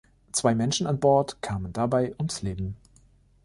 Zwei Menschen an Bord kamen dabei ums Leben.